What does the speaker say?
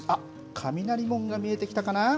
雷門が見えてきたかな。